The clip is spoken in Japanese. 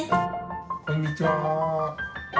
こんにちは。